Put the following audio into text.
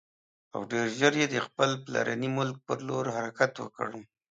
او ډېر ژر یې د خپل پلرني ملک پر لور حرکت وکړ.